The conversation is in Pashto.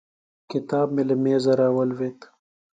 کتاب مې له مېز راولوېد.